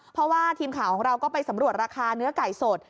เพราะว่าทีมข่าวของเราก็ไปสำรวจราคาเนื้อไก่สด